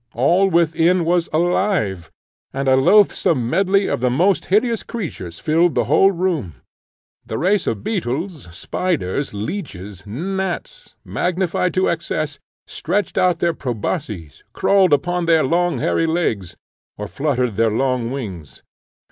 All within was alive, and a loathsome medley of the most hideous creatures filled the whole room. The race of beetles, spiders, leeches, gnats, magnified to excess, stretched out their probosces, crawled upon their long hairy legs, or fluttered their long wings.